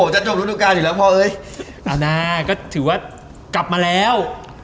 จะถูกทุกวันแล้ว